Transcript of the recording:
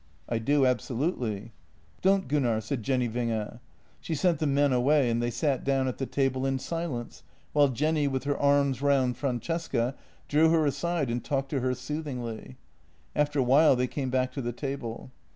"" I do absolutely." " Don't, Gunnar," said Jenny Winge. She sent the men away and they sat down at the table in silence, while Jenny, with her arms round Francesca, drew her aside and talked to her soothingly. After a while they came back to the table.